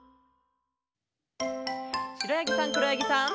しろやぎさんくろやぎさん。